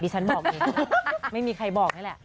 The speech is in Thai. ฉันบอกเองไม่มีใครบอกนี่แหละ